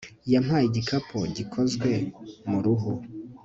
yampaye igikapu gikozwe mu ruhu